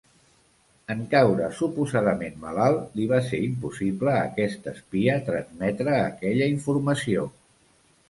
En caure suposadament malalt, li va ser impossible a aquest espia transmetre aquella informació.